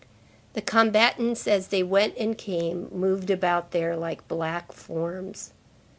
The combatants, as they went and came, moved about there like black forms.